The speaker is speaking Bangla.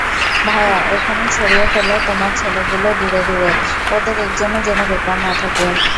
ভায়া, এখনই ছড়িয়ে ফেলো তোমার ছেলেগুলো দূরে দূরে–ওদের একজনও যেন বেকার না থাকে।